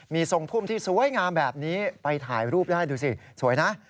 มีทรงพุ่มที่สวยงามแบบนี้ไปถ่ายรูปได้ดูสิสวยนะ